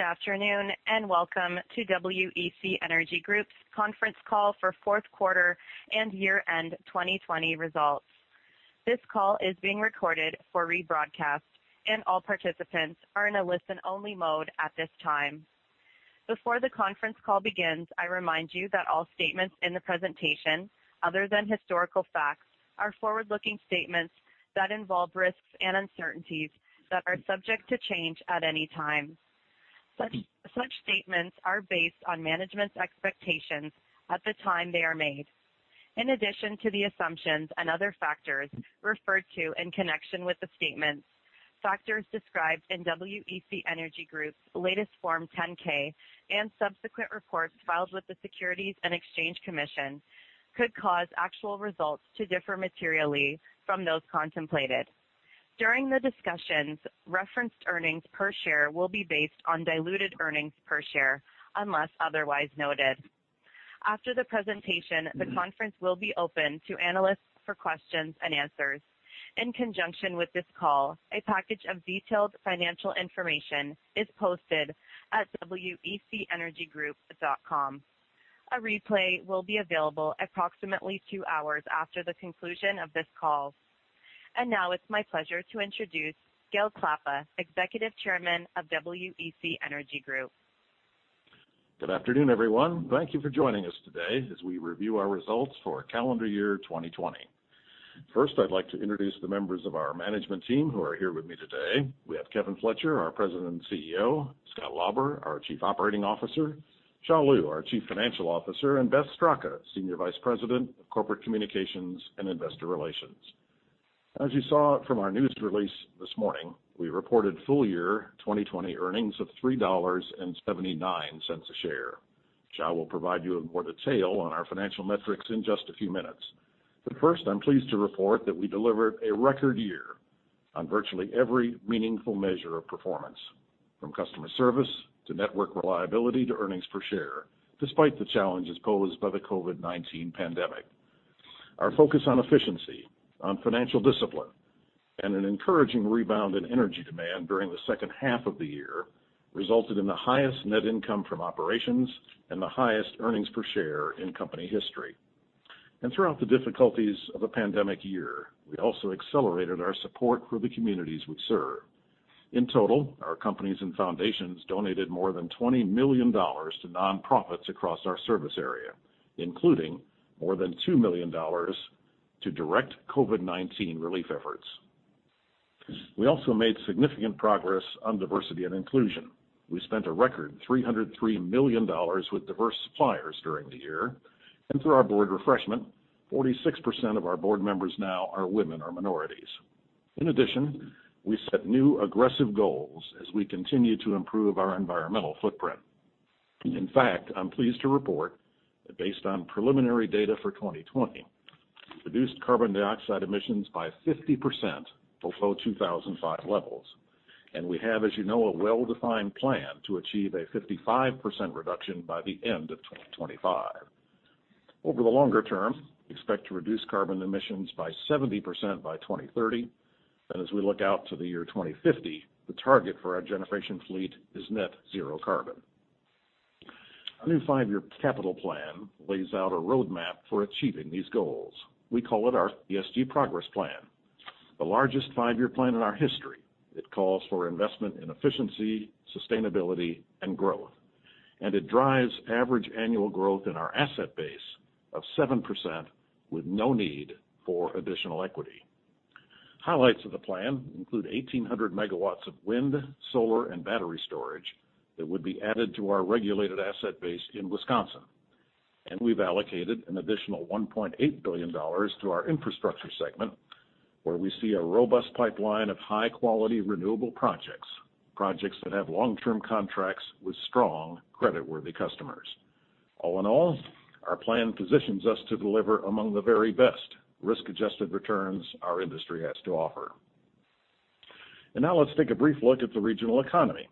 Good afternoon, and welcome to WEC Energy Group's conference call for fourth quarter and year-end 2020 results. This call is being recorded for rebroadcast, and all participants are in a listen-only mode at this time. Before the conference call begins, I remind you that all statements in the presentation, other than historical facts, are forward-looking statements that involve risks and uncertainties that are subject to change at any time. Such statements are based on management's expectations at the time they are made. In addition to the assumptions and other factors referred to in connection with the statements, factors described in WEC Energy Group's latest Form 10-K and subsequent reports filed with the Securities and Exchange Commission could cause actual results to differ materially from those contemplated. During the discussions, referenced earnings per share will be based on diluted earnings per share, unless otherwise noted. After the presentation, the conference will be open to analysts for questions and answers. In conjunction with this call, a package of detailed financial information is posted at wecenergygroup.com. A replay will be available approximately two hours after the conclusion of this call. Now it's my pleasure to introduce Gale Klappa, Executive Chairman of WEC Energy Group. Good afternoon, everyone. Thank you for joining us today as we review our results for calendar year 2020. First, I'd like to introduce the members of our management team who are here with me today. We have Kevin Fletcher, our President and CEO, Scott Lauber, our Chief Operating Officer, Xia Liu, our Chief Financial Officer, and Beth Straka, Senior Vice President of Corporate Communications and Investor Relations. As you saw from our news release this morning, we reported full year 2020 earnings of $3.79 a share. Xia will provide you more detail on our financial metrics in just a few minutes. First, I'm pleased to report that we delivered a record year on virtually every meaningful measure of performance, from customer service to network reliability to earnings per share, despite the challenges posed by the COVID-19 pandemic. Our focus on efficiency, on financial discipline, and an encouraging rebound in energy demand during the second half of the year resulted in the highest net income from operations and the highest earnings per share in company history. Throughout the difficulties of a pandemic year, we also accelerated our support for the communities we serve. In total, our companies and foundations donated more than $20 million to non-profits across our service area, including more than $2 million to direct COVID-19 relief efforts. We also made significant progress on diversity and inclusion. We spent a record $303 million with diverse suppliers during the year, and through our board refreshment, 46% of our board members now are women or minorities. In addition, we set new aggressive goals as we continue to improve our environmental footprint. In fact, I'm pleased to report that based on preliminary data for 2020, reduced carbon dioxide emissions by 50% below 2005 levels, and we have, as you know, a well-defined plan to achieve a 55% reduction by the end of 2025. Over the longer term, we expect to reduce carbon emissions by 70% by 2030, and as we look out to the year 2050, the target for our generation fleet is net zero carbon. Our new five-year capital plan lays out a roadmap for achieving these goals. We call it our ESG Progress Plan. The largest five-year plan in our history. It calls for investment in efficiency, sustainability, and growth, and it drives average annual growth in our asset base of 7% with no need for additional equity. Highlights of the plan include 1,800 MW of wind, solar, and battery storage that would be added to our regulated asset base in Wisconsin. We've allocated an additional $1.8 billion to our infrastructure segment, where we see a robust pipeline of high-quality renewable projects that have long-term contracts with strong creditworthy customers. All in all, our plan positions us to deliver among the very best risk-adjusted returns our industry has to offer. Now let's take a brief look at the regional economy.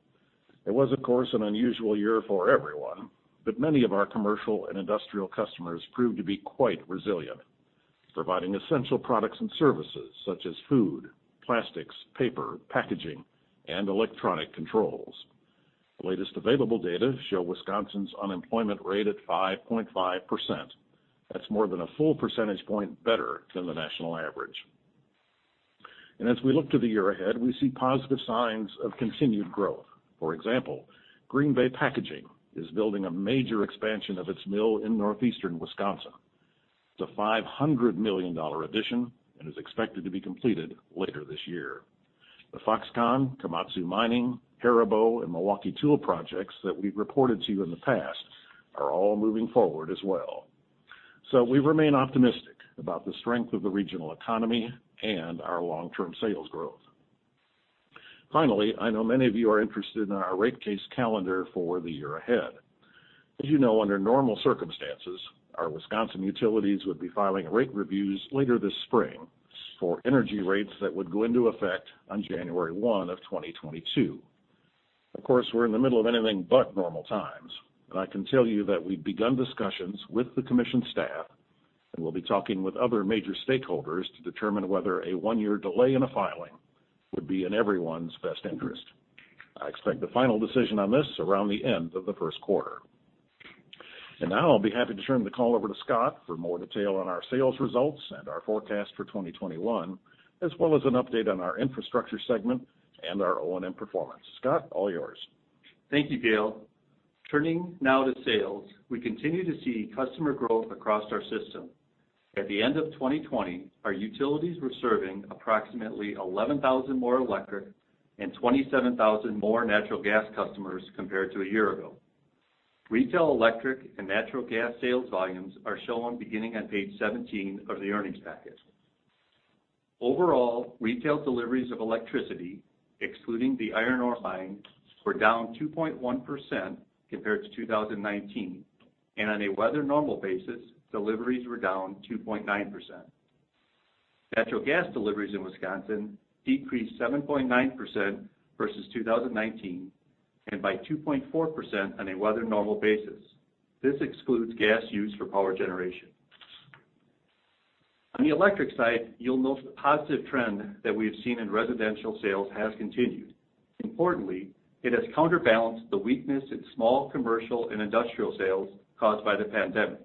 It was, of course, an unusual year for everyone, but many of our commercial and industrial customers proved to be quite resilient, providing essential products and services such as food, plastics, paper, packaging, and electronic controls. The latest available data show Wisconsin's unemployment rate at 5.5%. That's more than a full percentage point better than the national average. As we look to the year ahead, we see positive signs of continued growth. For example, Green Bay Packaging is building a major expansion of its mill in northeastern Wisconsin. It's a $500 million addition and is expected to be completed later this year. The Foxconn, Komatsu Mining, HARIBO, and Milwaukee Tool projects that we've reported to you in the past are all moving forward as well. We remain optimistic about the strength of the regional economy and our long-term sales growth. Finally, I know many of you are interested in our rate case calendar for the year ahead. As you know, under normal circumstances, our Wisconsin utilities would be filing rate reviews later this spring for energy rates that would go into effect on January 1 of 2022. Of course, we're in the middle of anything but normal times. I can tell you that we've begun discussions with the commission staff. We'll be talking with other major stakeholders to determine whether a 1-year delay in a filing would be in everyone's best interest. I expect the final decision on this around the end of the first quarter. Now I'll be happy to turn the call over to Scott for more detail on our sales results and our forecast for 2021, as well as an update on our infrastructure segment and our O&M performance. Scott, all yours. Thank you, Gale. Turning now to sales, we continue to see customer growth across our system. At the end of 2020, our utilities were serving approximately 11,000 more electric and 27,000 more natural gas customers compared to a year ago. Retail electric and natural gas sales volumes are shown beginning on page 17 of the earnings packet. Overall, retail deliveries of electricity, excluding the iron ore mine, were down 2.1% compared to 2019, and on a weather normal basis, deliveries were down 2.9%. Natural gas deliveries in Wisconsin decreased 7.9% versus 2019, and by 2.4% on a weather normal basis. This excludes gas used for power generation. On the electric side, you'll note the positive trend that we have seen in residential sales has continued. Importantly, it has counterbalanced the weakness in small commercial and industrial sales caused by the pandemic.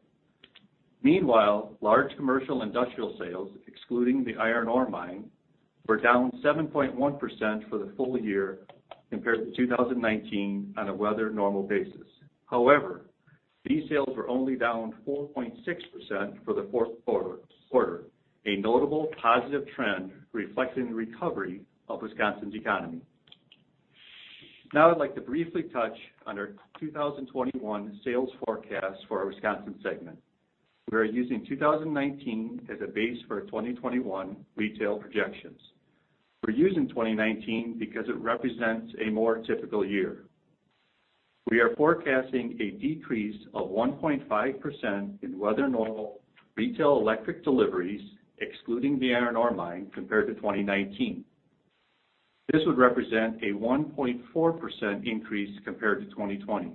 Large commercial industrial sales, excluding the iron ore mine, were down 7.1% for the full year compared to 2019 on a weather normal basis. These sales were only down 4.6% for the fourth quarter, a notable positive trend reflecting the recovery of Wisconsin's economy. I'd like to briefly touch on our 2021 sales forecast for our Wisconsin segment. We are using 2019 as a base for our 2021 retail projections. We're using 2019 because it represents a more typical year. We are forecasting a decrease of 1.5% in weather normal retail electric deliveries, excluding the iron ore mine, compared to 2019. This would represent a 1.4% increase compared to 2020.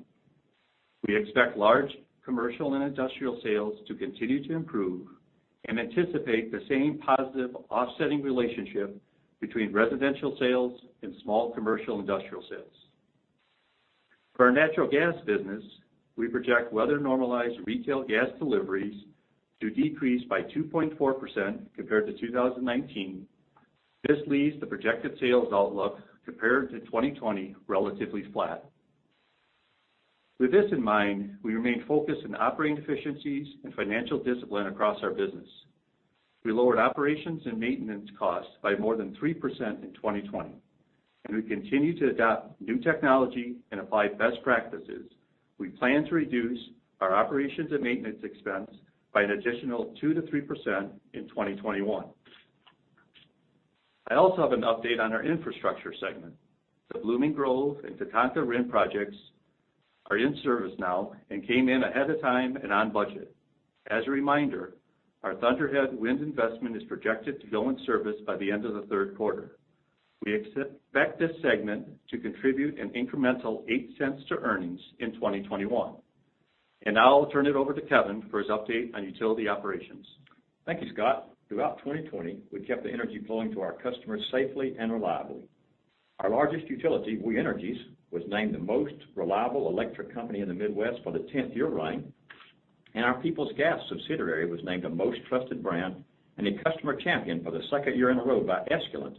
We expect large commercial and industrial sales to continue to improve and anticipate the same positive offsetting relationship between residential sales and small commercial industrial sales. For our natural gas business, we project weather normalized retail gas deliveries to decrease by 2.4% compared to 2019. This leaves the projected sales outlook compared to 2020 relatively flat. With this in mind, we remain focused on operating efficiencies and financial discipline across our business. We lowered operations and maintenance costs by more than 3% in 2020, and we continue to adopt new technology and apply best practices. We plan to reduce our operations and maintenance expense by an additional 2%-3% in 2021. I also have an update on our infrastructure segment. The Blooming Grove and Tatanka Wind projects are in service now and came in ahead of time and on budget. As a reminder, our Thunderhead Wind investment is projected to go in service by the end of the third quarter. We expect this segment to contribute an incremental $0.08 to earnings in 2021. Now I'll turn it over to Kevin for his update on utility operations. Thank you, Scott. Throughout 2020, we kept the energy flowing to our customers safely and reliably. Our largest utility, We Energies, was named the most reliable electric company in the Midwest for the 10th year running, and our Peoples Gas subsidiary was named a most trusted brand and a customer champion for the second year in a row by Escalent,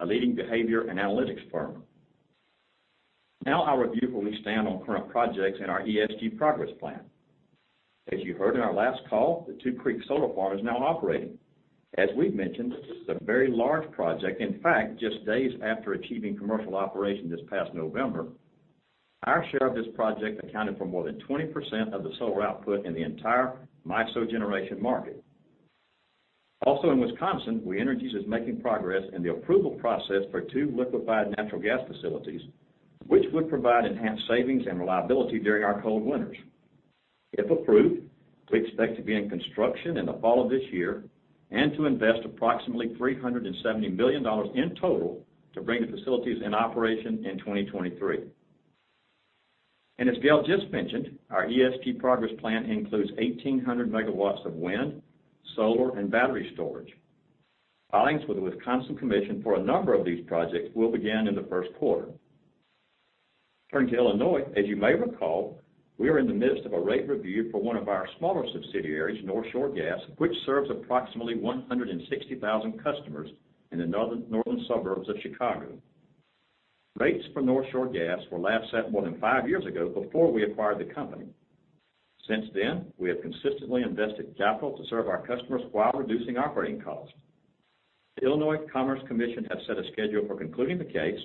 a leading behavior and analytics firm. Now I'll review where we stand on current projects and our ESG Progress Plan. As you heard in our last call, the Two Creeks Solar Park is now operating. As we've mentioned, this is a very large project. In fact, just days after achieving commercial operation this past November, our share of this project accounted for more than 20% of the solar output in the entire MISO generation market. Also in Wisconsin, We Energies is making progress in the approval process for two liquefied natural gas facilities, which would provide enhanced savings and reliability during our cold winters. If approved, we expect to be in construction in the fall of this year and to invest approximately $370 million in total to bring the facilities in operation in 2023. As Gale just mentioned, our ESG progress plan includes 1,800 MW of wind, solar, and battery storage. Filings with the Wisconsin Commission for a number of these projects will begin in the first quarter. Turning to Illinois, as you may recall, we are in the midst of a rate review for one of our smaller subsidiaries, North Shore Gas, which serves approximately 160,000 customers in the northern suburbs of Chicago. Rates for North Shore Gas were last set more than five years ago before we acquired the company. Since then, we have consistently invested capital to serve our customers while reducing operating costs. The Illinois Commerce Commission has set a schedule for concluding the case.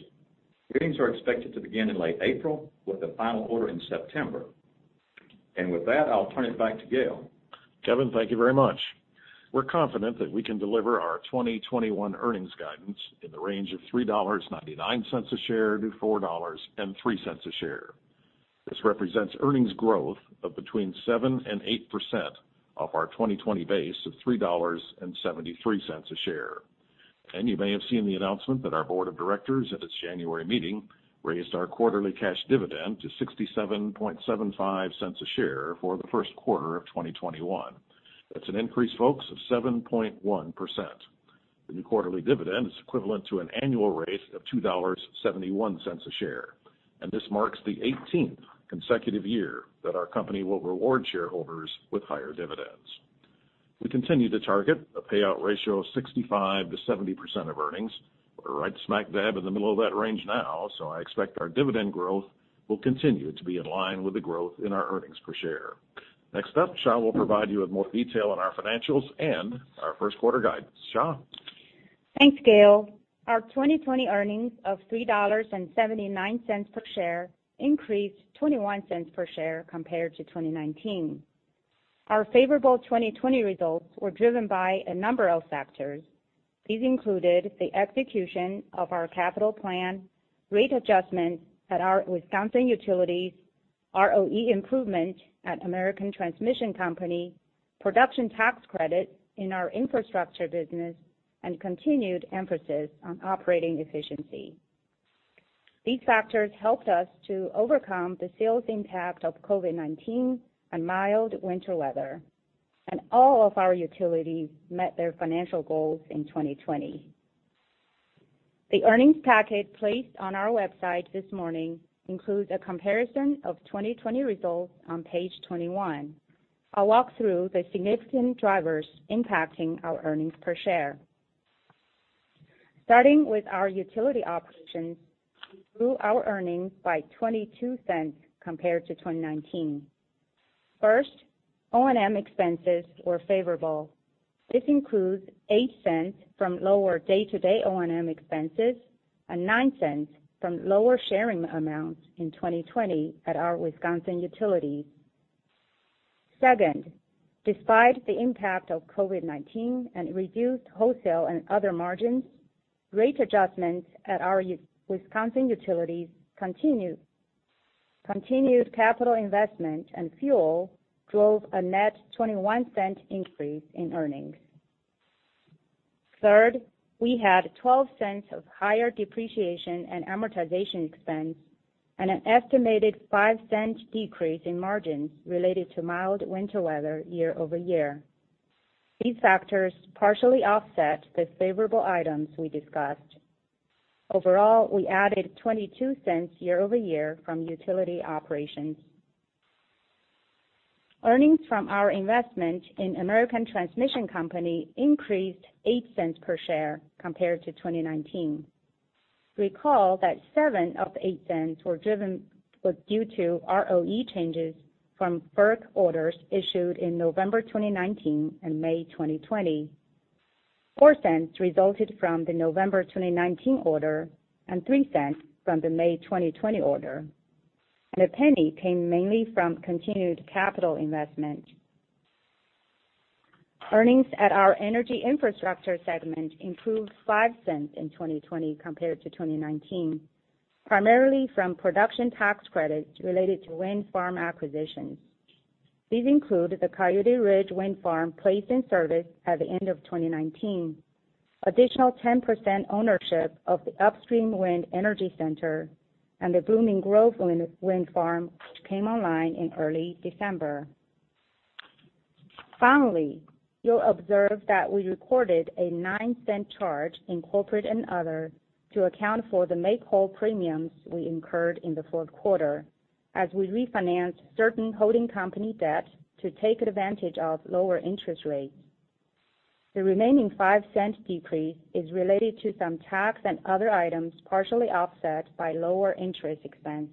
Meetings are expected to begin in late April, with the final order in September. With that, I'll turn it back to Gale. Kevin, thank you very much. We're confident that we can deliver our 2021 earnings guidance in the range of $3.99 a share to $4.03 a share. This represents earnings growth of between 7%-8% off our 2020 base of $3.73 a share. You may have seen the announcement that our board of directors at its January meeting raised our quarterly cash dividend to $0.6775 a share for the first quarter of 2021. That's an increase, folks, of 7.1%. The new quarterly dividend is equivalent to an annual rate of $2.71 a share. This marks the 18th consecutive year that our company will reward shareholders with higher dividends. We continue to target a payout ratio of 65%-70% of earnings. We're right smack dab in the middle of that range now, so I expect our dividend growth will continue to be in line with the growth in our earnings per share. Next up, Xia will provide you with more detail on our financials and our first quarter guidance. Xia? Thanks, Gale. Our 2020 earnings of $3.79 per share increased $0.21 per share compared to 2019. Our favorable 2020 results were driven by a number of factors. These included the execution of our capital plan, rate adjustments at our Wisconsin utilities, ROE improvement at American Transmission Company, production tax credit in our infrastructure business, and continued emphasis on operating efficiency. These factors helped us to overcome the sales impact of COVID-19 and mild winter weather, and all of our utilities met their financial goals in 2020. The earnings package placed on our website this morning includes a comparison of 2020 results on Page 21. I'll walk through the significant drivers impacting our earnings per share. Starting with our utility operations, we grew our earnings by $0.22 compared to 2019. First, O&M expenses were favorable. This includes $0.08 from lower day-to-day O&M expenses and $0.09 from lower sharing amounts in 2020 at our Wisconsin utility. Despite the impact of COVID-19 and reduced wholesale and other margins, rate adjustments at our Wisconsin utilities, continued capital investment and fuel drove a net $0.21 increase in earnings. We had $0.12 of higher depreciation and amortization expense and an estimated $0.05 decrease in margins related to mild winter weather year-over-year. These factors partially offset the favorable items we discussed. We added $0.22 year-over-year from utility operations. Earnings from our investment in American Transmission Company increased $0.08 per share compared to 2019. Recall that seven of the $0.08 was due to ROE changes from FERC orders issued in November 2019 and May 2020. $0.04 resulted from the November 2019 order and $0.03 from the May 2020 order. A penny came mainly from continued capital investment. Earnings at our energy infrastructure segment improved $0.05 in 2020 compared to 2019, primarily from production tax credits related to wind farm acquisitions. These include the Coyote Ridge Wind Farm placed in service at the end of 2019, additional 10% ownership of the Upstream Wind Energy Center, and the Blooming Grove Wind Farm, which came online in early December. Finally, you'll observe that we recorded a $0.09 charge in corporate and other to account for the make-whole premiums we incurred in the fourth quarter as we refinanced certain holding company debt to take advantage of lower interest rates. The remaining $0.05 decrease is related to some tax and other items partially offset by lower interest expense.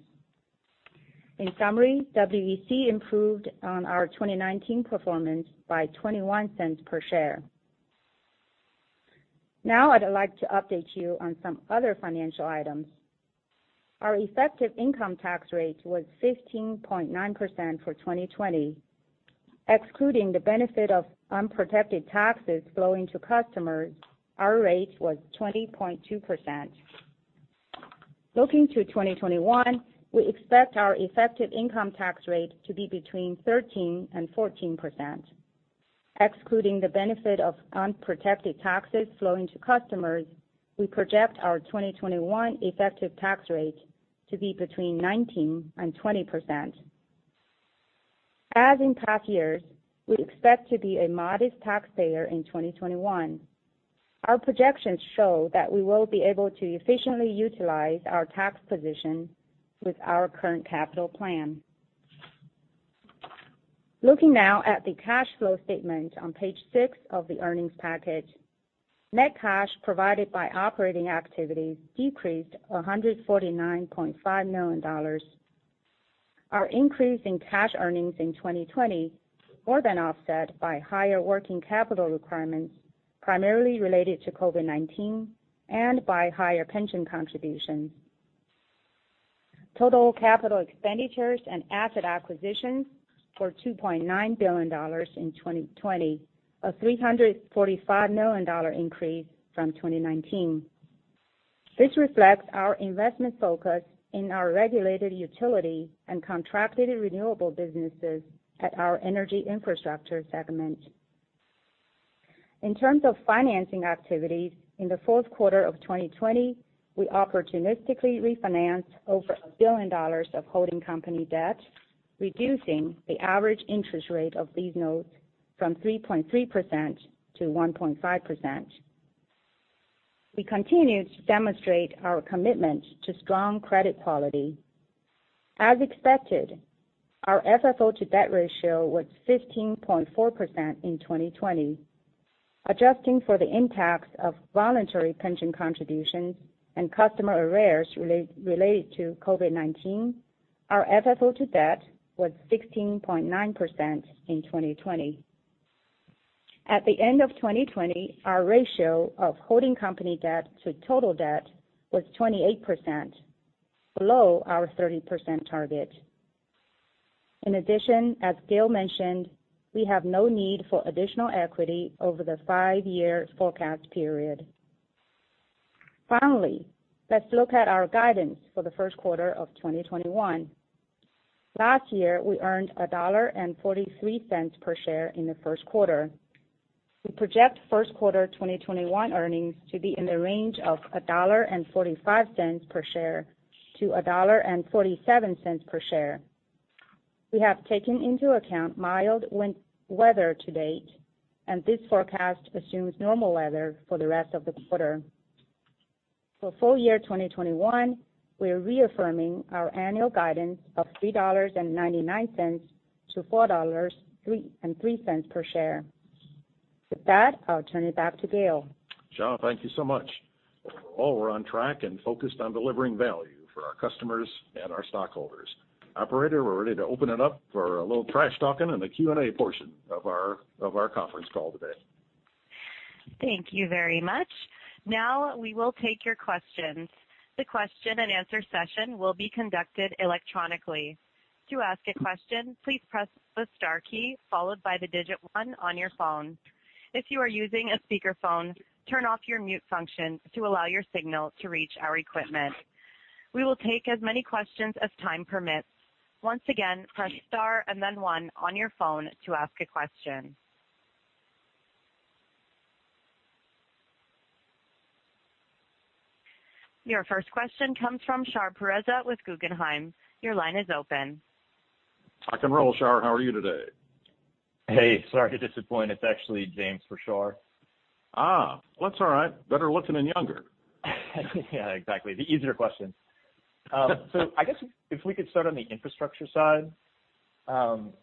In summary, WEC improved on our 2019 performance by $0.21 per share. I'd like to update you on some other financial items. Our effective income tax rate was 15.9% for 2020. Excluding the benefit of unprotected taxes flowing to customers, our rate was 20.2%. Looking to 2021, we expect our effective income tax rate to be between 13%-14%. Excluding the benefit of unprotected taxes flowing to customers, we project our 2021 effective tax rate to be between 19%-20%. As in past years, we expect to be a modest taxpayer in 2021. Our projections show that we will be able to efficiently utilize our tax position with our current capital plan. Looking now at the cash flow statement on Page six of the earnings package. Net cash provided by operating activities decreased $149.5 million. Our increase in cash earnings in 2020 more than offset by higher working capital requirements, primarily related to COVID-19 and by higher pension contributions. Total capital expenditures and asset acquisitions were $2.9 billion in 2020, a $345 million increase from 2019. This reflects our investment focus in our regulated utility and contracted renewable businesses at our energy infrastructure segment. In terms of financing activities, in the fourth quarter of 2020, we opportunistically refinanced over $1 billion of holding company debt, reducing the average interest rate of these notes from 3.3%-1.5%. We continue to demonstrate our commitment to strong credit quality. As expected, our FFO to debt ratio was 15.4% in 2020. Adjusting for the impacts of voluntary pension contributions and customer arrears related to COVID-19, our FFO to debt was 16.9% in 2020. At the end of 2020, our ratio of holding company debt to total debt was 28%, below our 30% target. In addition, as Gale mentioned, we have no need for additional equity over the five-year forecast period. Finally, let's look at our guidance for the first quarter of 2021. Last year, we earned $1.43 per share in the first quarter. We project first quarter 2021 earnings to be in the range of $1.45 per share to $1.47 per share. We have taken into account mild weather to date, and this forecast assumes normal weather for the rest of the quarter. For full year 2021, we are reaffirming our annual guidance of $3.99-$4.03 per share. With that, I'll turn it back to Gale. Xia, thank you so much. Overall, we're on track and focused on delivering value for our customers and our stockholders. Operator, we're ready to open it up for a little trash talking in the Q&A portion of our conference call today. Thank you very much. We will take your questions. Your first question comes from Shar Pourreza with Guggenheim. Your line is open. Rock and roll, Shar. How are you today? Hey, sorry to disappoint. It's actually James for Shar. Well, that's all right. Better looking and younger. Yeah, exactly. The easier question. I guess if we could start on the infrastructure side.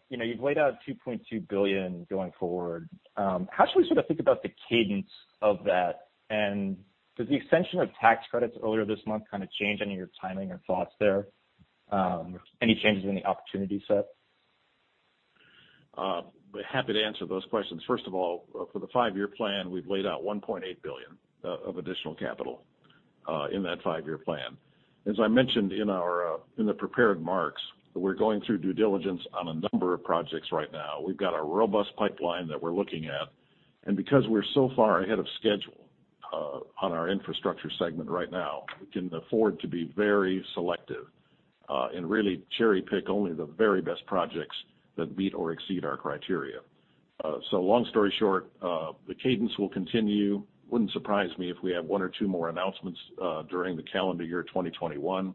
You've laid out $2.2 billion going forward. How should we sort of think about the cadence of that? Does the extension of tax credits earlier this month kind of change any of your timing or thoughts there? Any changes in the opportunity set? Happy to answer those questions. First of all, for the 5-year plan, we've laid out $1.8 billion of additional capital in that 5-year plan. As I mentioned in the prepared marks, we're going through due diligence on a number of projects right now. We've got a robust pipeline that we're looking at. Because we're so far ahead of schedule on our infrastructure segment right now, we can afford to be very selective, and really cherry-pick only the very best projects that meet or exceed our criteria. Long story short, the cadence will continue. Wouldn't surprise me if we have one or two more announcements during the calendar year 2021.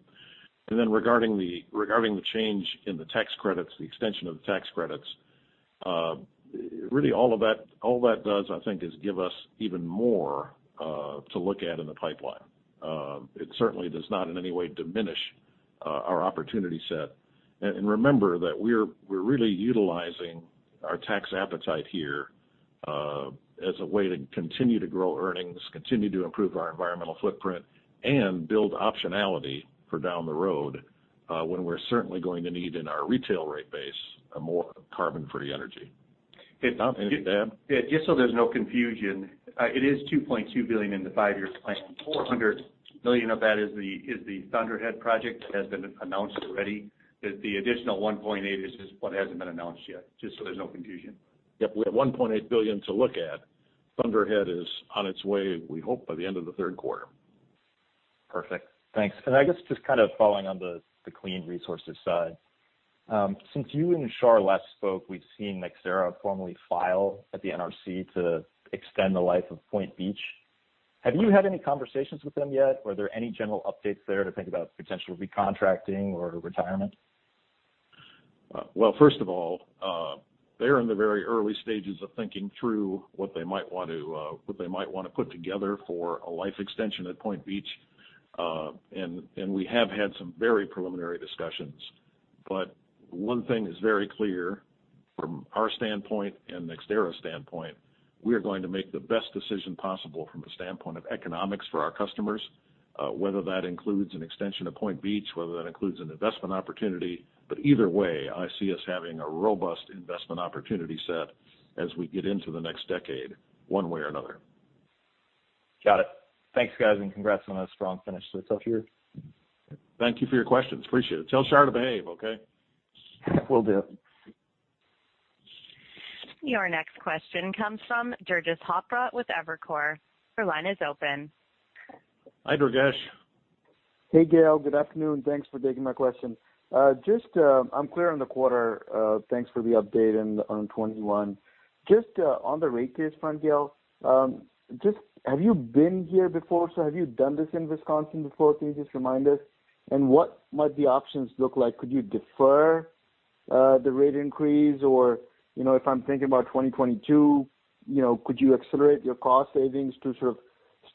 Regarding the change in the tax credits, the extension of the tax credits, really all that does, I think, is give us even more to look at in the pipeline. It certainly does not in any way diminish our opportunity set. Remember that we're really utilizing our tax appetite here as a way to continue to grow earnings, continue to improve our environmental footprint, and buld optionality for down the road, when we're certainly going to need in our retail rate base, more carbon-free energy. Tom, anything to add? Just so there's no confusion, it is $2.2 billion in the 5-year plan. $400 million of that is the Thunderhead project, has been announced already. The additional $1.8 billion is what hasn't been announced yet, just so there's no confusion. Yep. We have $1.8 billion to look at. Thunderhead is on its way, we hope, by the end of the third quarter. Perfect. Thanks. I guess just kind of following on the clean resources side. Since you and Shar last spoke, we've seen NextEra formally file at the NRC to extend the life of Point Beach. Have you had any conversations with them yet, or are there any general updates there to think about potential recontracting or retirement? First of all, they are in the very early stages of thinking through what they might want to put together for a life extension at Point Beach. We have had some very preliminary discussions, but one thing is very clear from our standpoint and NextEra's standpoint, we are going to make the best decision possible from the standpoint of economics for our customers, whether that includes an extension of Point Beach, whether that includes an investment opportunity. Either way, I see us having a robust investment opportunity set as we get into the next decade, one way or another. Got it. Thanks, guys, and congrats on a strong finish to the tough year. Thank you for your questions. Appreciate it. Tell Shar to behave, okay? Will do. Your next question comes from Durgesh Chopra with Evercore. Your line is open. Hi, Durgesh. Hey, Gale. Good afternoon. Thanks for taking my question. I'm clear on the quarter. Thanks for the update on 2021. Just on the rate case front, Gale, have you been here before? Have you done this in Wisconsin before? Can you just remind us? What might the options look like? Could you defer the rate increase? If I'm thinking about 2022, could you accelerate your cost savings to sort of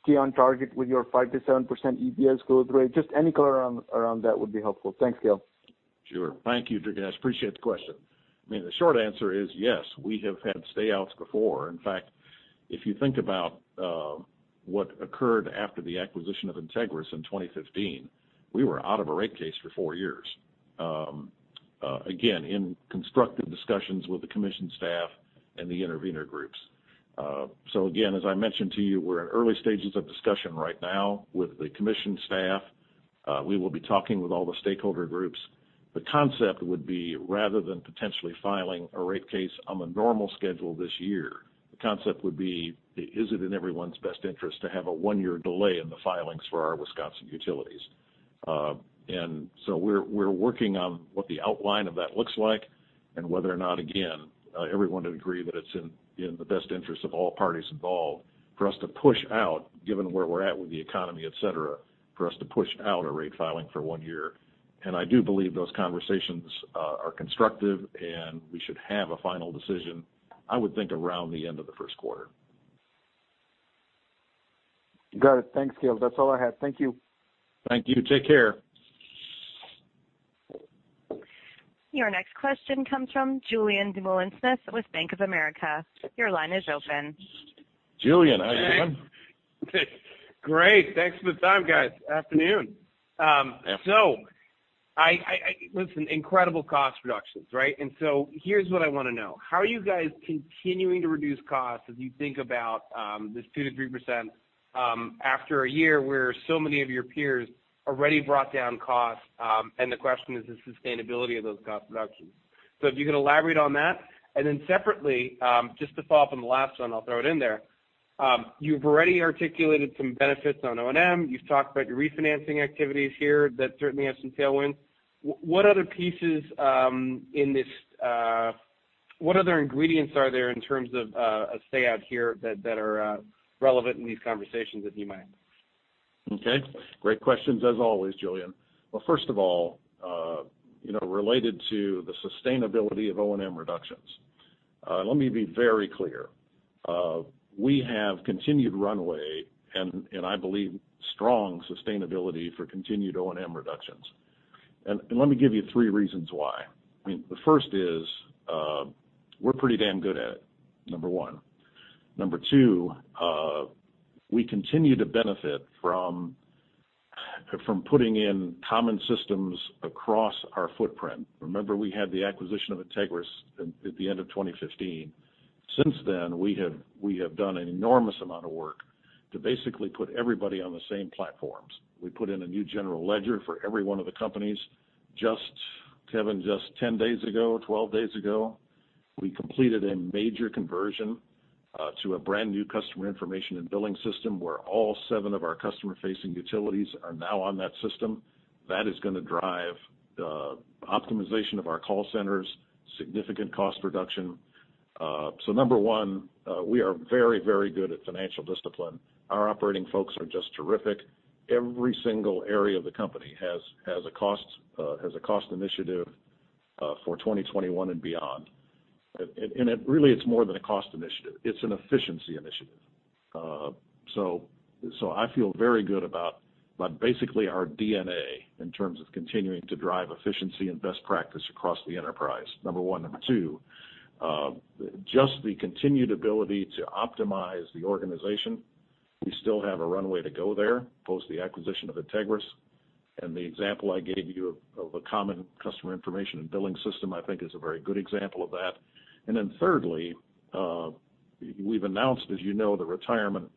stay on target with your 5%-7% EPS growth rate? Just any color around that would be helpful. Thanks, Gale. Sure. Thank you, Durgesh. Appreciate the question. I mean, the short answer is yes, we have had stay-outs before. In fact, if you think about what occurred after the acquisition of Integrys in 2015, we were out of a rate case for four years, again, in constructive discussions with the commission staff and the intervener groups. Again, as I mentioned to you, we're in early stages of discussion right now with the commission staff. We will be talking with all the stakeholder groups. The concept would be, rather than potentially filing a rate case on the normal schedule this year, the concept would be, is it in everyone's best interest to have a one-year delay in the filings for our Wisconsin utilities? We're working on what the outline of that looks like, and whether or not, again, everyone would agree that it's in the best interest of all parties involved for us to push out, given where we're at with the economy, et cetera, for us to push out a rate filing for 1 year. I do believe those conversations are constructive, and we should have a final decision, I would think, around the end of the first quarter. Got it. Thanks, Gale. That's all I had. Thank you. Thank you. Take care. Your next question comes from Julien Dumoulin-Smith with Bank of America. Your line is open. Julien, how you doing? Great. Thanks for the time, guys. Afternoon. Afternoon. Listen, incredible cost reductions, right. Here's what I want to know. How are you guys continuing to reduce costs as you think about this 2%-3% after a year where so many of your peers already brought down costs, and the question is the sustainability of those cost reductions? If you could elaborate on that, and then separately, just to follow up on the last one, I'll throw it in there. You've already articulated some benefits on O&M. You've talked about your refinancing activities here that certainly have some tailwinds. What other ingredients are there in terms of a stay-out here that are relevant in these conversations if you might? Okay. Great questions as always, Julien. Well, first of all, related to the sustainability of O&M reductions. Let me be very clear. We have continued runway and I believe strong sustainability for continued O&M reductions. Let me give you three reasons why. I mean, the first is, we're pretty damn good at it, number one. Number two, we continue to benefit from putting in common systems across our footprint. Remember, we had the acquisition of Integrys at the end of 2015. Since then, we have done an enormous amount of work to basically put everybody on the same platforms. We put in a new general ledger for every one of the companies. Kevin, just 10 days ago, 12 days ago, we completed a major conversion to a brand-new customer information and billing system where all seven of our customer-facing utilities are now on that system. That is going to drive the optimization of our call centers, significant cost reduction. Number one, we are very, very good at financial discipline. Our operating folks are just terrific. Every single area of the company has a cost initiative for 2021 and beyond. Really, it's more than a cost initiative. It's an efficiency initiative. I feel very good about basically our DNA in terms of continuing to drive efficiency and best practice across the enterprise, number one. Number two, just the continued ability to optimize the organization. We still have a runway to go there post the acquisition of Integrys. The example I gave you of a common customer information and billing system I think is a very good example of that. Thirdly, we've announced, as you know, the retirement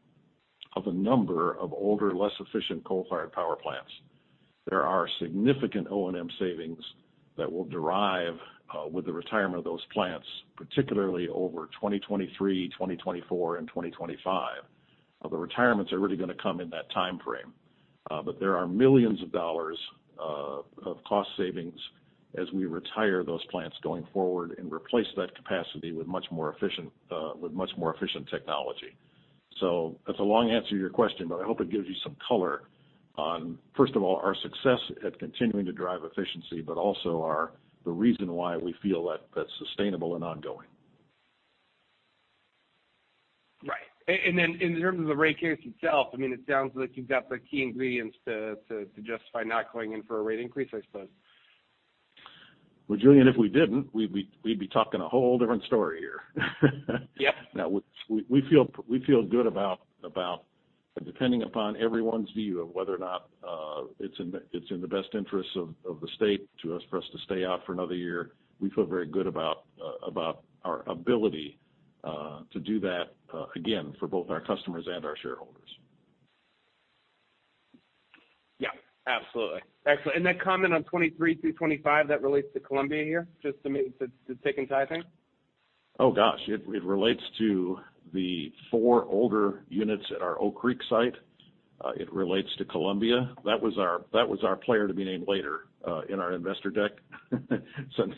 of a number of older, less efficient coal-fired power plants. There are significant O&M savings that will derive with the retirement of those plants, particularly over 2023, 2024, and 2025. The retirements are really going to come in that timeframe. There are millions of dollars of cost savings as we retire those plants going forward and replace that capacity with much more efficient technology. That's a long answer to your question, but I hope it gives you some color on, first of all, our success at continuing to drive efficiency, but also the reason why we feel that that's sustainable and ongoing. Right. Then in terms of the rate case itself, I mean, it sounds like you've got the key ingredients to justify not going in for a rate increase, I suppose. Well, Julien, if we didn't, we'd be talking a whole different story here. Yeah. We feel good about depending upon everyone's view of whether or not it's in the best interest of the state for us to stay out for another year. We feel very good about our ability to do that, again, for both our customers and our shareholders. Absolutely. Excellent. That comment on 23 through 25, that relates to Columbia here? Just to tick and tie things. Oh, gosh. It relates to the four older units at our Oak Creek site. It relates to Columbia. That was our player to be named later, in our investor deck. Because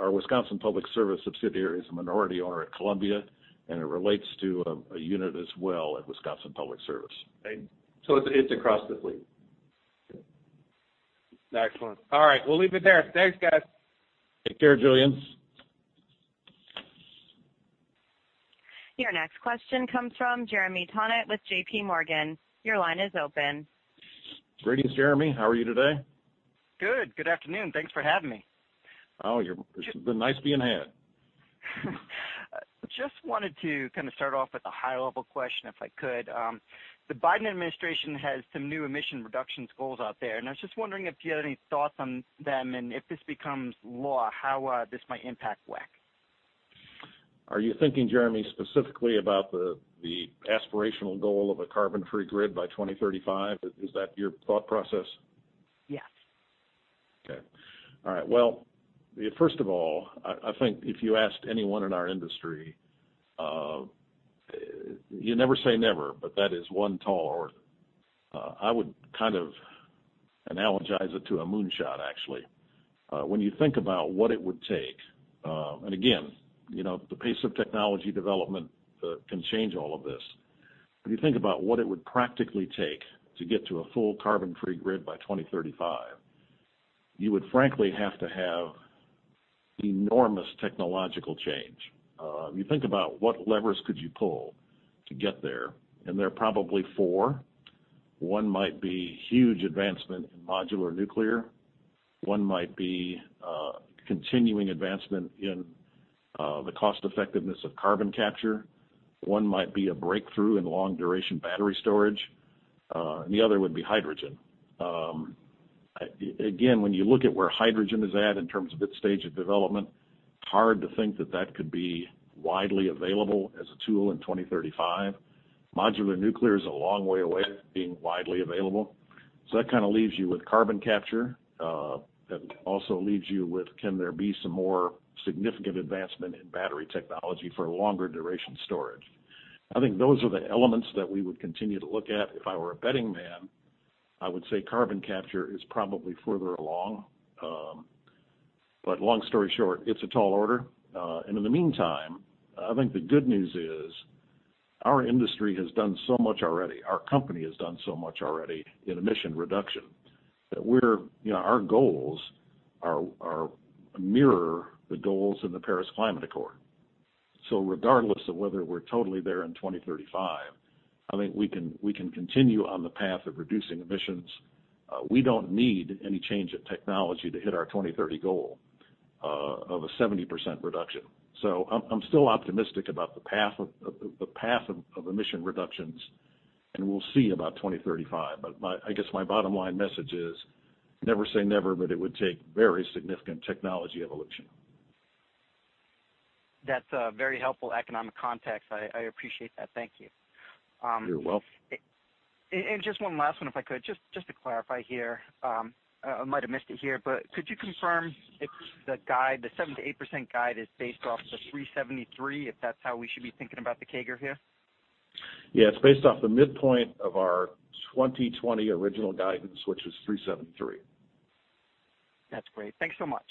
our Wisconsin Public Service subsidiary is a minority owner at Columbia, and it relates to a unit as well at Wisconsin Public Service. It's across the fleet. Yes. Excellent. All right. We'll leave it there. Thanks, guys. Take care, Julien. Your next question comes from Jeremy Tonet with J.P. Morgan. Your line is open. Greetings, Jeremy. How are you today? Good afternoon. Thanks for having me. Oh, it's been nice being had. Just wanted to kind of start off with a high-level question, if I could. The Biden administration has some new emission reductions goals out there. I was just wondering if you had any thoughts on them, and if this becomes law, how this might impact WEC. Are you thinking, Jeremy, specifically about the aspirational goal of a carbon-free grid by 2035? Is that your thought process? Yes. Okay. All right. Well, first of all, I think if you asked anyone in our industry, you never say never, but that is one tall order. I would kind of analogize it to a moonshot, actually. When you think about what it would take, again, the pace of technology development can change all of this. When you think about what it would practically take to get to a full carbon-free grid by 2035, you would frankly have to have enormous technological change. If you think about what levers could you pull to get there are probably four. One might be huge advancement in modular nuclear. One might be continuing advancement in the cost-effectiveness of carbon capture. One might be a breakthrough in long-duration battery storage. The other would be hydrogen. When you look at where hydrogen is at in terms of its stage of development, hard to think that that could be widely available as a tool in 2035. Modular nuclear is a long way away from being widely available. That kind of leaves you with carbon capture. That also leaves you with can there be some more significant advancement in battery technology for longer duration storage? I think those are the elements that we would continue to look at. If I were a betting man, I would say carbon capture is probably further along. Long story short, it's a tall order. In the meantime, I think the good news is our industry has done so much already. Our company has done so much already in emission reduction. Our goals mirror the goals in the Paris Climate Accord. Regardless of whether we're totally there in 2035, I think we can continue on the path of reducing emissions. We don't need any change in technology to hit our 2030 goal of a 70% reduction. I'm still optimistic about the path of emission reductions, and we'll see about 2035. I guess my bottom line message is, never say never, but it would take very significant technology evolution. That's a very helpful economic context. I appreciate that. Thank you. You're welcome. Just one last one, if I could. Just to clarify here. I might have missed it here, but could you confirm if the guide, the 7%-8% guide is based off the 373? Is that how we should be thinking about the CAGR here? Yes, it's based off the midpoint of our 2020 original guidance, which is $373. That's great. Thanks so much.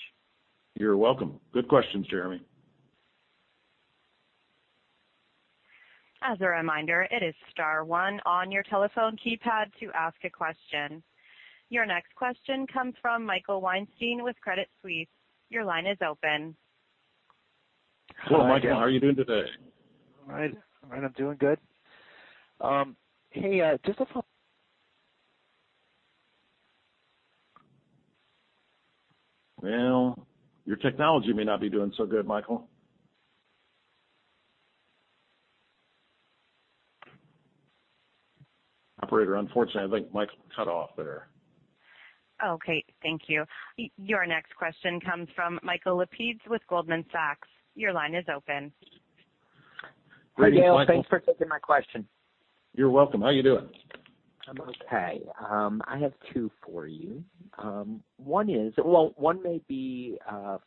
You're welcome. Good questions, Jeremy. As a reminder, it is star one on your telephone keypad to ask a question. Your next question comes from Michael Weinstein with Credit Suisse. Your line is open. Hello, Michael. How are you doing today? All right. I'm doing good. Hey, just a follow-up. Your technology may not be doing so good, Michael. Operator, unfortunately, I think Michael cut off there. Okay. Thank you. Your next question comes from Michael Lapides with Goldman Sachs. Your line is open. Greetings, Michael. Hi, Gale. Thanks for taking my question. You're welcome. How you doing? I'm okay. I have two for you. One may be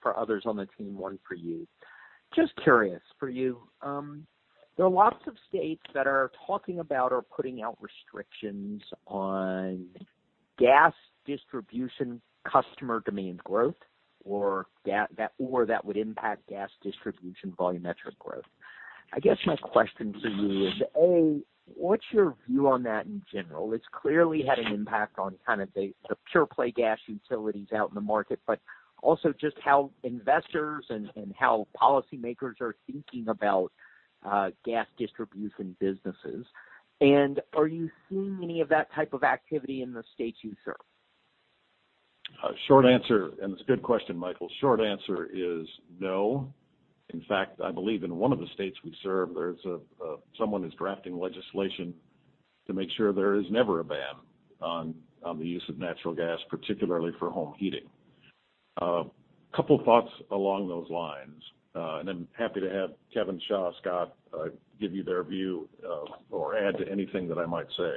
for others on the team, one for you. Just curious for you, there are lots of states that are talking about or putting out restrictions on gas distribution customer demand growth, or that would impact gas distribution volumetric growth. I guess my question to you is, A, what's your view on that in general? It's clearly had an impact on kind of the pure play gas utilities out in the market, but also just how investors and how policymakers are thinking about gas distribution businesses. Are you seeing any of that type of activity in the states you serve? Short answer, it's a good question, Michael. Short answer is no. In fact, I believe in one of the states we serve, there's someone who's drafting legislation to make sure there is never a ban on the use of natural gas, particularly for home heating. A couple thoughts along those lines, then happy to have Kevin Fletcher, Xia Liu, Scott Lauber, give you their view or add to anything that I might say.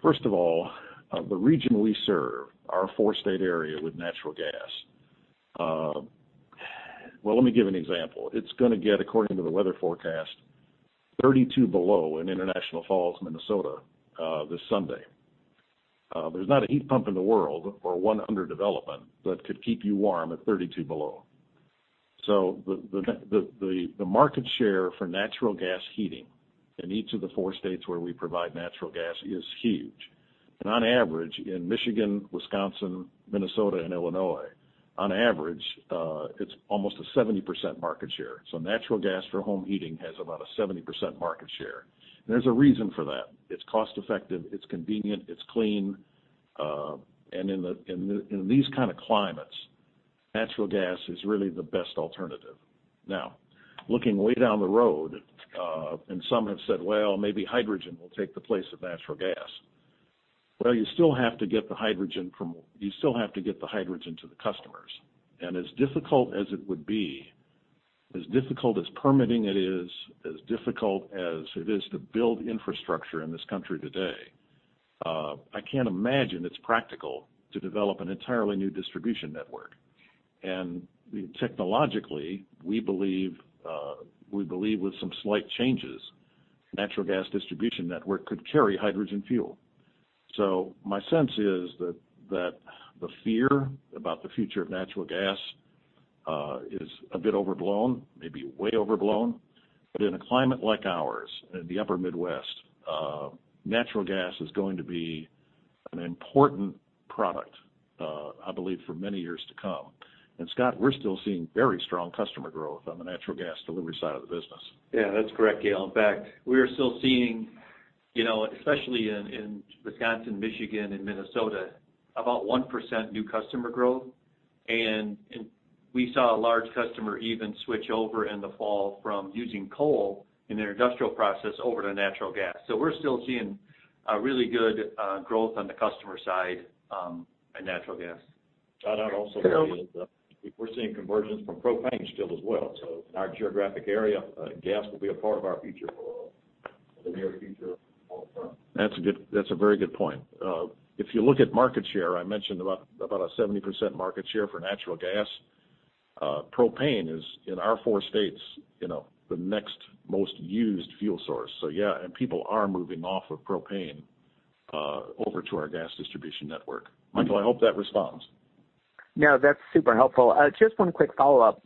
First of all, the region we serve, our four-state area with natural gas. Let me give an example. It's going to get, according to the weather forecast, 32 below in International Falls, Minnesota, this Sunday. There's not a heat pump in the world or one under development that could keep you warm at 32 below. The market share for natural gas heating in each of the four states where we provide natural gas is huge. On average, in Michigan, Wisconsin, Minnesota, and Illinois, on average, it's almost a 70% market share. Natural gas for home heating has about a 70% market share. There's a reason for that. It's cost-effective, it's convenient, it's clean. In these kind of climates, natural gas is really the best alternative. Looking way down the road, some have said, "Well, maybe hydrogen will take the place of natural gas." You still have to get the hydrogen to the customers. As difficult as it would be, as difficult as permitting it is, as difficult as it is to build infrastructure in this country today, I can't imagine it's practical to develop an entirely new distribution network. Technologically, we believe with some slight changes, natural gas distribution network could carry hydrogen fuel. My sense is that the fear about the future of natural gas, is a bit overblown, maybe way overblown. In a climate like ours, in the upper Midwest, natural gas is going to be an important product, I believe, for many years to come. Scott, we're still seeing very strong customer growth on the natural gas delivery side of the business. Yeah, that's correct, Gale. In fact, we are still seeing, especially in Wisconsin, Michigan, and Minnesota, about 1% new customer growth. We saw a large customer even switch over in the fall from using coal in their industrial process over to natural gas. We're still seeing a really good growth on the customer side in natural gas. Xia, I'd also add that we're seeing conversions from propane still as well. In our geographic area, gas will be a part of our future, the near future long term. That's a very good point. If you look at market share, I mentioned about a 70% market share for natural gas. Propane is, in our four states, the next most used fuel source. Yeah, people are moving off of propane over to our gas distribution network. Michael, I hope that responds. No, that's super helpful. Just one quick follow-up.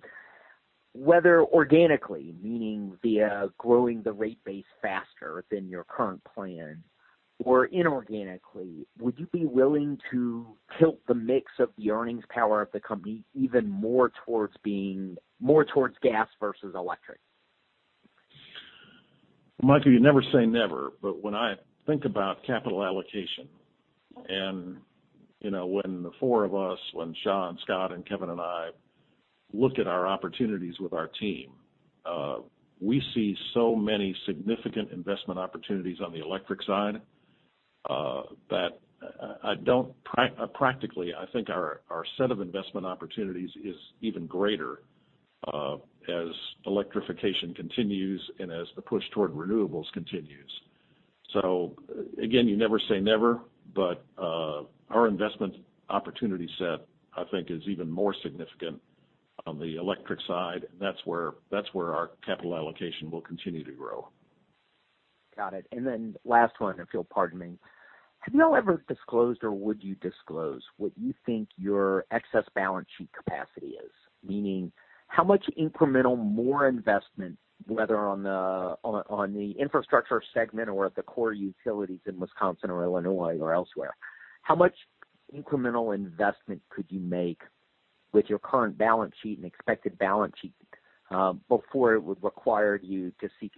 Whether organically, meaning via growing the rate base faster than your current plan, or inorganically, would you be willing to tilt the mix of the earnings power of the company even more towards gas versus electric? Michael, you never say never, but when I think about capital allocation and when the four of us, when Xia and Scott and Kevin and I look at our opportunities with our team, we see so many significant investment opportunities on the electric side, that practically, I think our set of investment opportunities is even greater as electrification continues and as the push toward renewables continues. Again, you never say never, but our investment opportunity set, I think, is even more significant on the electric side. That's where our capital allocation will continue to grow. Got it. Last one, if you'll pardon me. Have y'all ever disclosed, or would you disclose what you think your excess balance sheet capacity is? Meaning how much incremental more investment, whether on the infrastructure segment or at the core utilities in Wisconsin or Illinois or elsewhere, how much incremental investment could you make with your current balance sheet and expected balance sheet, before it would require you to seek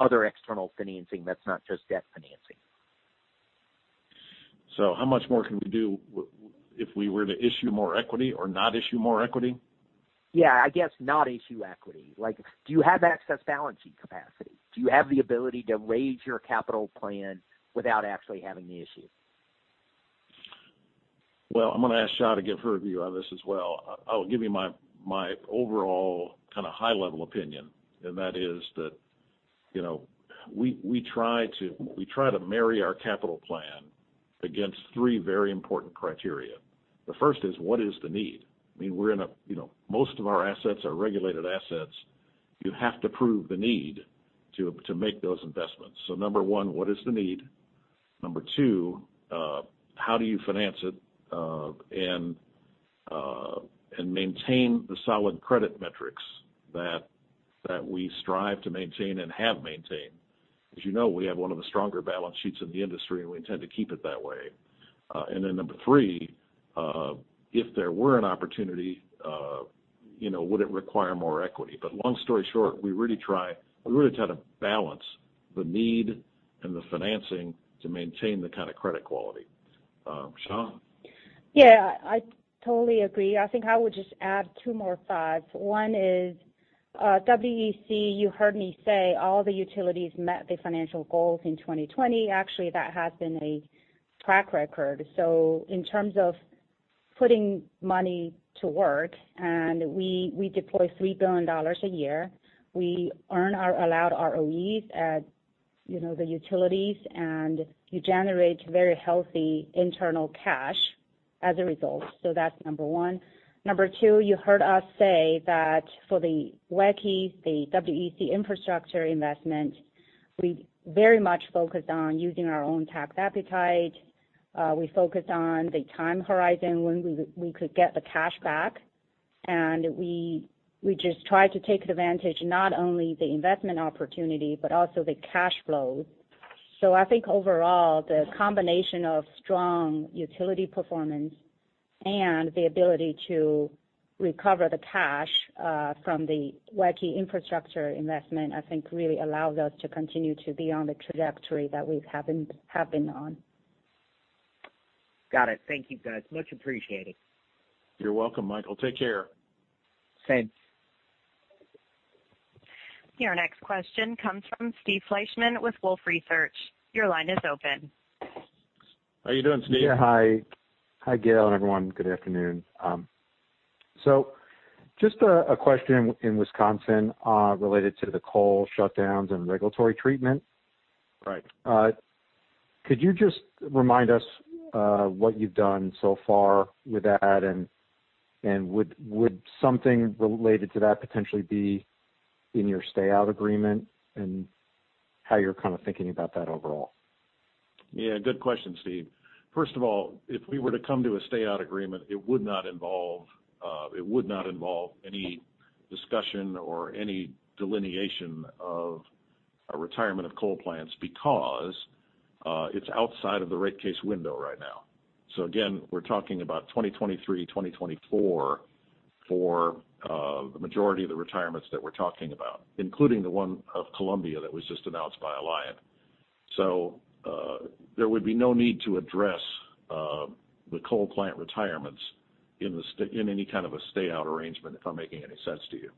other external financing that's not just debt financing? How much more can we do if we were to issue more equity or not issue more equity? Yeah, I guess not issue equity. Do you have excess balance sheet capacity? Do you have the ability to raise your capital plan without actually having to issue? I'm going to ask Xia to give her view on this as well. I'll give you my overall kind of high-level opinion, and that is that we try to marry our capital plan against three very important criteria. The first is, what is the need? Most of our assets are regulated assets. You have to prove the need to make those investments. Number one, what is the need? Number two, how do you finance it, and maintain the solid credit metrics that we strive to maintain and have maintained? As you know, we have one of the stronger balance sheets in the industry, and we intend to keep it that way. Number three, if there were an opportunity, would it require more equity? Long story short, we really try to balance the need and the financing to maintain the kind of credit quality. Xia? Yeah, I totally agree. I think I would just add two more thoughts. One is WEC, you heard me say all the utilities met the financial goals in 2020. Actually, that has been a track record. In terms of putting money to work, and we deploy $3 billion a year, we earn our allowed ROEs at the utilities, and you generate very healthy internal cash as a result. That's number one. Number two, you heard us say that for the WEC, the WEC Infrastructure investment, we very much focused on using our own tax appetite. We focused on the time horizon, when we could get the cash back. We just tried to take advantage, not only the investment opportunity, but also the cash flows. I think overall, the combination of strong utility performance and the ability to recover the cash from the WEC Infrastructure investment, I think really allows us to continue to be on the trajectory that we've been on. Got it. Thank you, guys. Much appreciated. You're welcome, Michael. Take care. Thanks. Your next question comes from Steve Fleishman with Wolfe Research. Your line is open. How are you doing, Steve? Yeah, hi. Hi, Gale, everyone. Good afternoon. Just a question in Wisconsin, related to the coal shutdowns and regulatory treatment. Right. Could you just remind us what you've done so far with that? Would something related to that potentially be in your stay-out agreement and how you're kind of thinking about that overall? Yeah, good question, Steve. First of all, if we were to come to a stay-out agreement, it would not involve any discussion or any delineation of a retirement of coal plants because it's outside of the rate case window right now. Again, we're talking about 2023, 2024 for the majority of the retirements that we're talking about, including the one of Columbia that was just announced by Alliant. There would be no need to address the coal plant retirements in any kind of a stay-out arrangement, if I'm making any sense to you.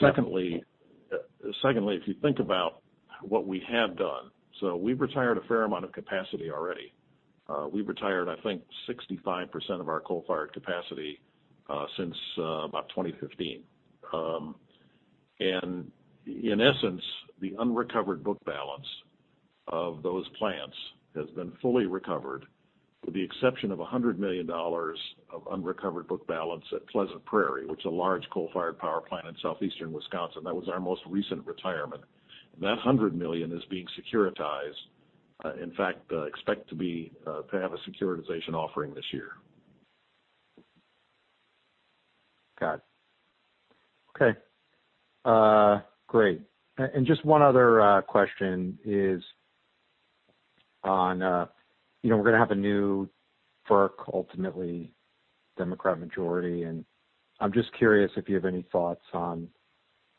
Secondly, if you think about what we have done, we've retired a fair amount of capacity already. We've retired, I think, 65% of our coal-fired capacity since about 2015. In essence, the unrecovered book balance of those plants has been fully recovered, with the exception of $100 million of unrecovered book balance at Pleasant Prairie, which is a large coal-fired power plant in southeastern Wisconsin. That was our most recent retirement. That $100 million is being securitized. In fact, expect to have a securitization offering this year. Got it. Okay. Great. Just one other question is on, we're going to have a new FERC, ultimately Democrat majority, and I'm just curious if you have any thoughts on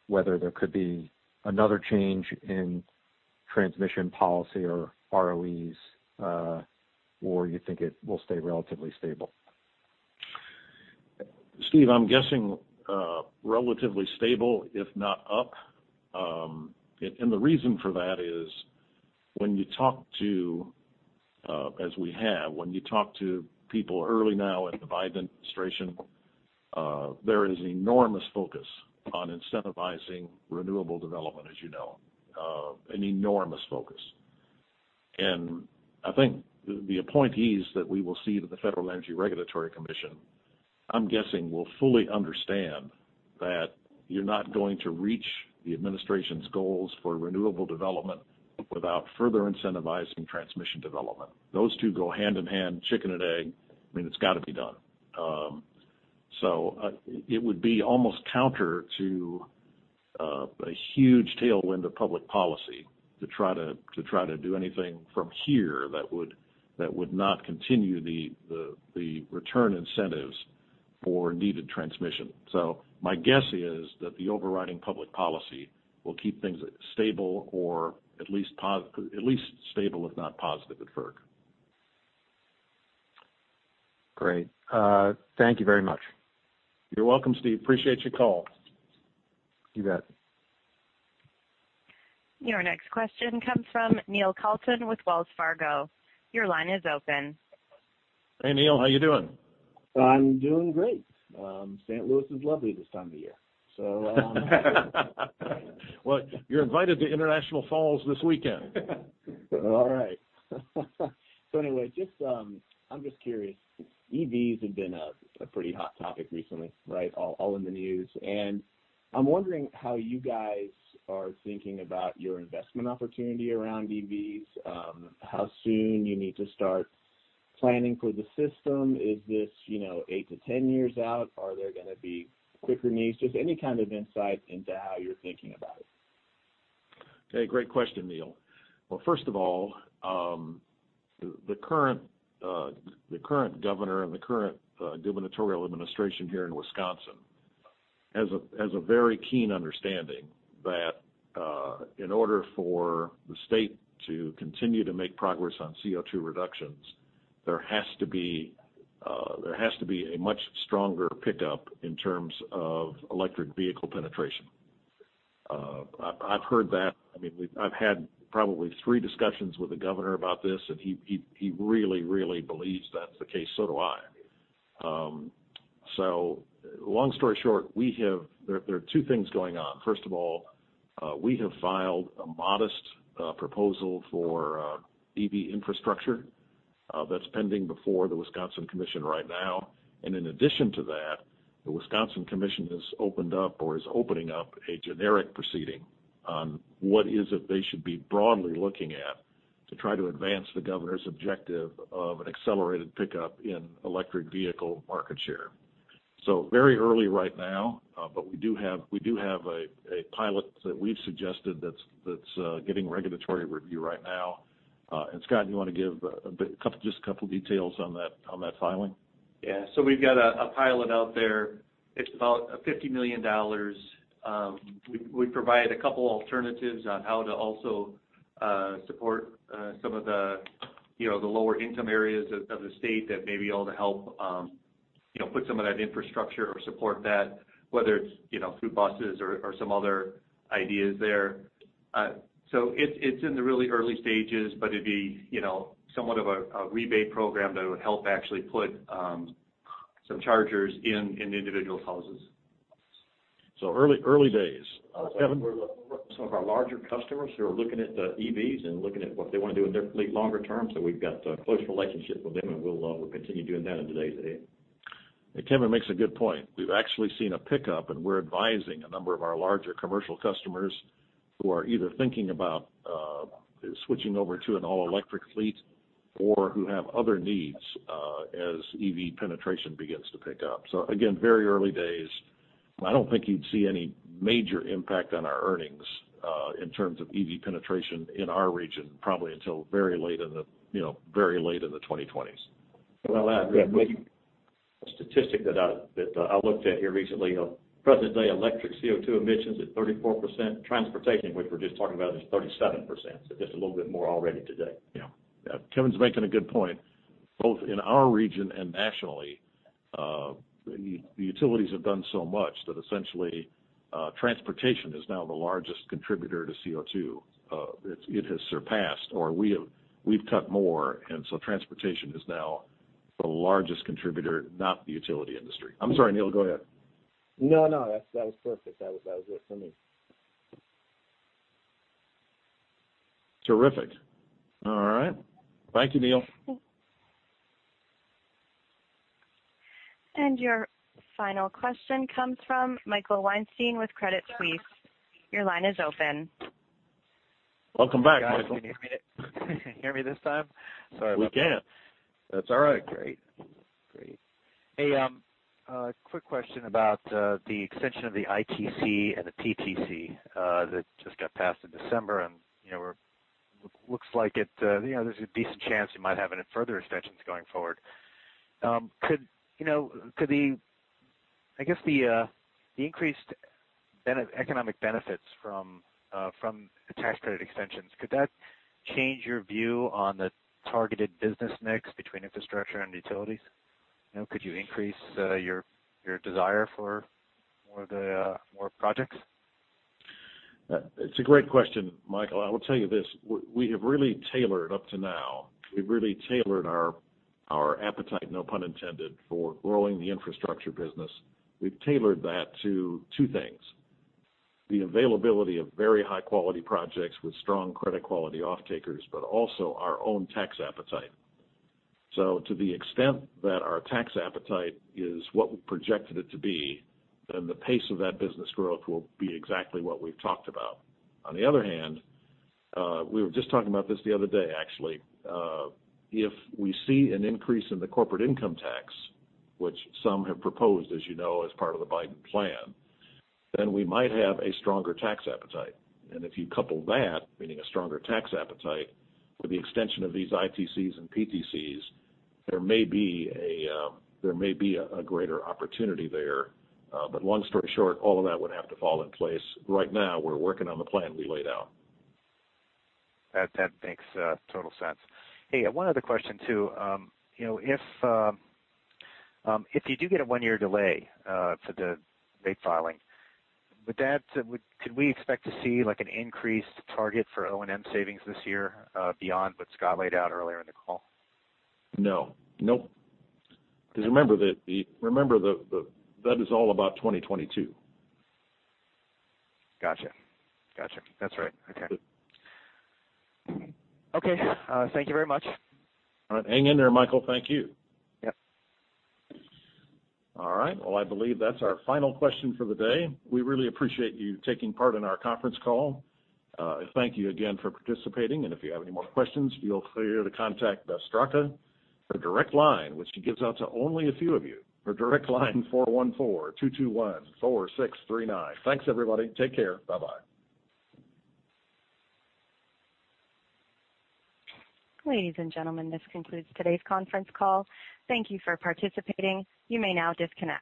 whether there could be another change in transmission policy or ROEs, or you think it will stay relatively stable? Steve, I'm guessing relatively stable, if not up. The reason for that is when you talk to, as we have, when you talk to people early now in the Biden administration, there is enormous focus on incentivizing renewable development, as you know. An enormous focus. I think the appointees that we will see to the Federal Energy Regulatory Commission, I'm guessing, will fully understand that you're not going to reach the administration's goals for renewable development without further incentivizing transmission development. Those two go hand in hand, chicken and egg. I mean, it's got to be done. It would be almost counter to a huge tailwind of public policy to try to do anything from here that would not continue the return incentives for needed transmission. My guess is that the overriding public policy will keep things stable, or at least stable, if not positive at FERC. Great. Thank you very much. You're welcome, Steve. Appreciate your call. You bet. Your next question comes from Neil Kalton with Wells Fargo. Your line is open. Hey, Neil, how you doing? I'm doing great. St. Louis is lovely this time of year. Well, you're invited to International Falls this weekend. All right. Anyway, I'm just curious, EVs have been a pretty hot topic recently, right? All in the news. I'm wondering how you guys are thinking about your investment opportunity around EVs. How soon you need to start planning for the system. Is this eight-10 years out? Are there going to be quicker needs? Just any kind of insight into how you're thinking about it. Okay. Great question, Neil. First of all, the current governor and the current gubernatorial administration here in Wisconsin has a very keen understanding that in order for the state to continue to make progress on CO2 reductions, there has to be a much stronger pickup in terms of electric vehicle penetration. I've heard that. I've had probably three discussions with the governor about this, he really, really believes that's the case. Do I. Long story short, there are two things going on. First of all, we have filed a modest proposal for EV infrastructure that's pending before the Wisconsin Commission right now. In addition to that, the Wisconsin Commission has opened up or is opening up a generic proceeding on what is it they should be broadly looking at to try to advance the governor's objective of an accelerated pickup in electric vehicle market share. Very early right now, but we do have a pilot that we've suggested that's getting regulatory review right now. Scott, you want to give just a couple details on that filing? We've got a pilot out there. It's about $50 million. We provide a couple alternatives on how to also support some of the lower-income areas of the state that may be able to help put some of that infrastructure or support that, whether it's through buses or some other ideas there. It's in the really early stages, but it'd be somewhat of a rebate program that would help actually put some chargers in individual houses. Early days. Kevin? Some of our larger customers who are looking at the EVs and looking at what they want to do in their fleet longer term, we've got a close relationship with them and we'll continue doing that in today's day. Kevin makes a good point. We've actually seen a pickup and we're advising a number of our larger commercial customers who are either thinking about switching over to an all-electric fleet or who have other needs as EV penetration begins to pick up. Again, very early days. I don't think you'd see any major impact on our earnings in terms of EV penetration in our region, probably until very late in the 2020s. Well, I'll add real quick, a statistic that I looked at here recently of present-day electric CO2 emissions at 34%. Transportation, which we're just talking about, is 37%, so just a little bit more already today. Yeah. Kevin's making a good point. Both in our region and nationally, the utilities have done so much that essentially transportation is now the largest contributor to CO2. It has surpassed or we've cut more. Transportation is now the largest contributor, not the utility industry. I'm sorry, Neil, go ahead. No, that was perfect. That was it for me. Terrific. All right. Thank you, Neil. Your final question comes from Michael Weinstein with Credit Suisse. Your line is open. Welcome back, Michael. Can you hear me this time? Sorry about that. We can. That's all right. Great. A quick question about the extension of the ITC and the PTC that just got passed in December. Looks like there's a decent chance you might have any further extensions going forward. Could the increased economic benefits from the tax credit extensions, could that change your view on the targeted business mix between infrastructure and utilities? Could you increase your desire for more projects? It's a great question, Michael. I will tell you this. Up to now, we've really tailored our appetite, no pun intended, for growing the infrastructure business. We've tailored that to two things, the availability of very high-quality projects with strong credit quality off-takers, but also our own tax appetite. To the extent that our tax appetite is what we projected it to be, then the pace of that business growth will be exactly what we've talked about. On the other hand, we were just talking about this the other day, actually. If we see an increase in the corporate income tax, which some have proposed, as you know, as part of the Biden plan, then we might have a stronger tax appetite. If you couple that, meaning a stronger tax appetite, with the extension of these ITCs and PTCs, there may be a greater opportunity there. Long story short, all of that would have to fall in place. Right now, we're working on the plan we laid out. That makes total sense. Hey, one other question, too. If you do get a one-year delay for the rate filing, could we expect to see an increased target for O&M savings this year beyond what Scott laid out earlier in the call? No. Remember that is all about 2022. Got you. That's right. Okay. Thank you very much. All right. Hang in there, Michael. Thank you. Yep. All right. Well, I believe that's our final question for the day. We really appreciate you taking part in our conference call. Thank you again for participating, and if you have any more questions, feel free to contact Straka. Her direct line, which she gives out to only a few of you, 414-221-4639. Thanks, everybody. Take care. Bye-bye. Ladies and gentlemen, this concludes today's conference call. Thank you for participating. You may now disconnect.